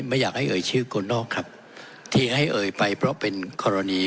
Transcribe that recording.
ไม่อยากให้เอ่ยชื่อคนนอกครับที่ให้เอ่ยไปเพราะเป็นกรณี